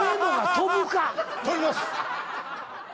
飛びます！